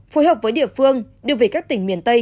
phối hợp với địa phương đưa về các tỉnh miền tây